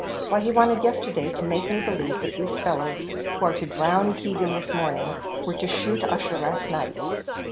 Why, he wanted yesterday, to make me believe that these fellows who are to drown Keegan this morning, were to shoot Ussher last night!